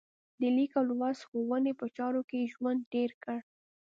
د لیک او لوست ښوونې په چارو کې یې ژوند تېر کړ.